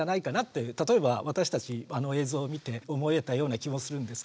例えば私たちあの映像を見て思えたような気もするんですけれども。